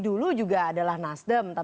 kalau terkait dengan